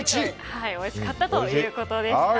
おいしかったということでした。